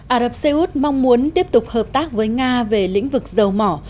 ả rập xê út mong muốn tiếp tục hợp tác với nga về lĩnh vực dầu mỏ